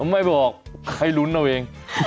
ไม่บอกให้ลุ้นเอาเอง